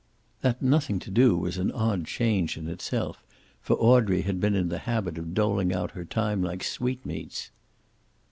That "nothing to do" was an odd change, in itself, for Audrey had been in the habit of doling out her time like sweetmeats.